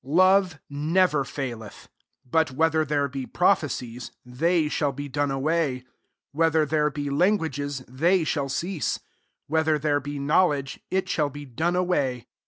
8 Love never faileth : but whether there be prophecies, they shall be done away ; whe ther there be languages, they shall cease; whether there ht knowledge, it shall be done away.